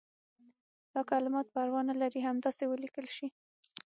دا کلمات پروا نه لري همداسې ولیکل شي.